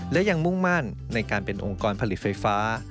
และยังมุ่งมั่นในการเป็นองค์กรผลิตไฟฟ้า